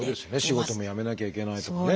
仕事も辞めなきゃいけないとかね